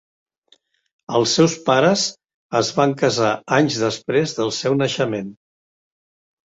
Els seus pares es van casar anys després del seu naixement.